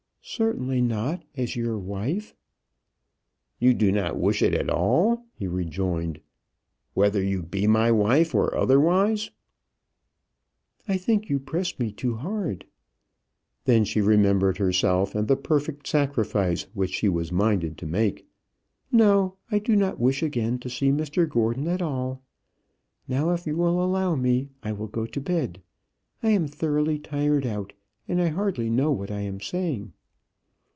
"Certainly not, as your wife." "You do not wish it at all," he rejoined, "whether you be my wife or otherwise?" "I think you press me too hard." Then she remembered herself, and the perfect sacrifice which she was minded to make. "No; I do not wish again to see Mr Gordon at all. Now, if you will allow me, I will go to bed. I am thoroughly tired out, and I hardly know what I am saying."